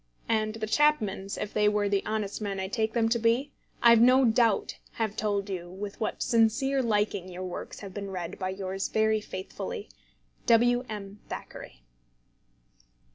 And the Chapmans, if they are the honest men I take them to be, I've no doubt have told you with what sincere liking your works have been read by yours very faithfully, W. M. THACKERAY.